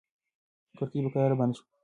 کړکۍ په کراره بنده شوه.